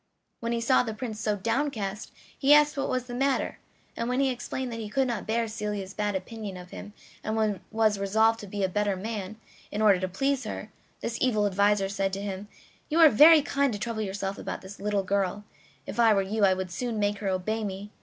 When he saw the Prince so downcast he asked what was the matter, and when he explained that he could not bear Celia's bad opinion of him, and was resolved to be a better man in order to please her, this evil adviser said to him: "You are very kind to trouble yourself about this little girl; if I were you I would soon make her obey me.